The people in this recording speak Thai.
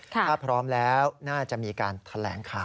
ถ้าพร้อมแล้วน่าจะมีการแถลงข่าว